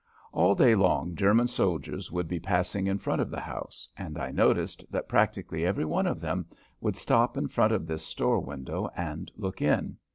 All day long German soldiers would be passing in front of the house, and I noticed that practically every one of them would stop in front of this store window and look in.